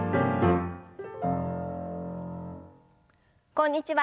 こんにちは。